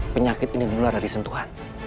penyakit ini menular dari sentuhan